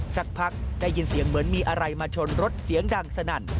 สักพักได้ยินเสียงเหมือนมีอะไรมาชนรถเสียงดังสนั่น